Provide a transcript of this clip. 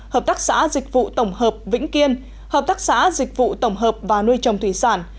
hợp tác xã dịch vụ tổng hợp vĩnh kiên hợp tác xã dịch vụ tổng hợp và nuôi trồng thủy sản